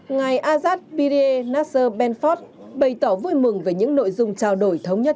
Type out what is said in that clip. ngài azad pirie nasser benford bày tỏ vui mừng về những nội dung trao đổi thống nhất